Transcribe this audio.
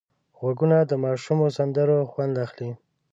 غوږونه د ماشومو سندرو خوند اخلي